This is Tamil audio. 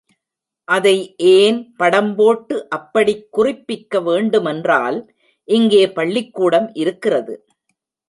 அதை ஏன் படம் போட்டு அப்படிக் குறிப்பிக்க வேண்டுமென்றால், இங்கே பள்ளிக்கூடம் இருக்கிறது.